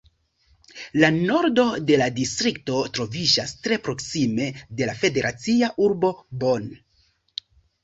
La nordo de la distrikto troviĝas tre proksime de la federacia urbo Bonn.